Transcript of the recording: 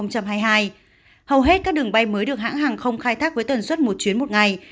hầu hết các đường bay mới được hãng hàng không khai thác với tần suất một chuyến một ngày